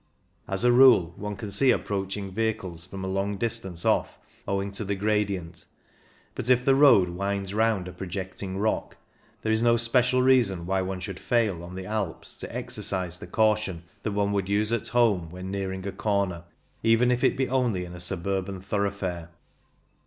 As a rule one can see approaching vehicles from a long distance off, owing to the gradient ; but if the road winds round a projecting rock, there is no WHAT ARE THE RISKS? 201 special reason why one should fail on the Alps to exercise the caution that one would use at home when nearing a corner, even if it be only in a suburban thorough fare.